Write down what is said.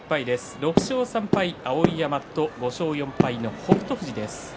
６勝３敗、碧山と５勝４敗の北勝富士です。